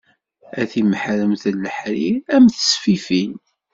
A timeḥremt n leḥrir, a m tesfifin.